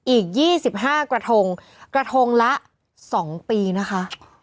อีก๒๕กระทงกระทงละ๒ปีนะคะ